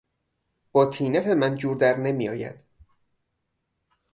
با طینت من جور در نمیآید.